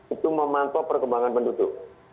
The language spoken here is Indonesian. itu memantau perkembangan penduduk